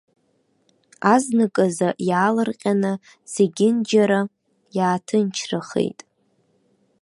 Азныказы, иаалырҟьаны, зегьынџьара иааҭынчрахеит.